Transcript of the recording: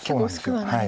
はい。